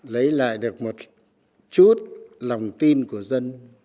lấy lại được một chút lòng tin của dân